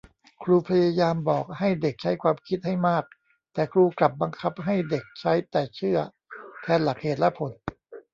ครูพยายามบอกให้เด็กใช้ความคิดให้มาก แต่ครูกลับบังคับให้เด็กใช้แต่เชื่อแทนหลักเหตุและผล